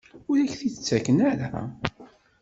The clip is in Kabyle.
Ur ak-t-id-ttaken ara?